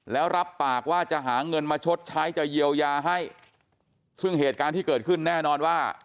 แล้วรับปากว่าจะหาเงินมาชดใช้จะเยียวยาให้ซึ่งเหตุการณ์ที่เกิดขึ้นแน่นอนว่า